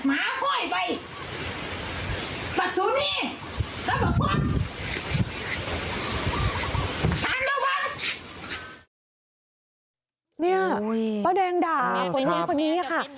นี่ป้าแดงด่าคนนี้ค่ะ